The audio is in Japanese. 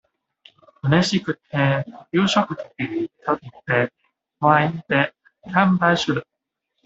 うれしくて、夕食時に一人で、ワインで乾杯する。